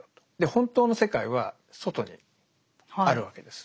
本当の世界は外にあるわけです。